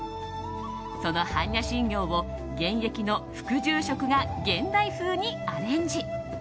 その般若心経を現役の副住職が現代風にアレンジ。